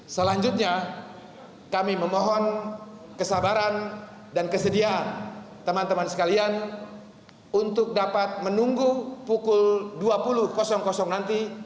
selanjutnya kami memohon kesabaran dan kesediaan teman teman sekalian untuk dapat menunggu pukul dua puluh nanti